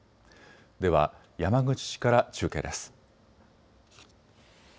では山口市から中継です。